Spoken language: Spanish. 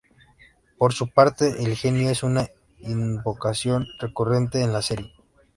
Por su parte, el Genio es una invocación recurrente en la serie.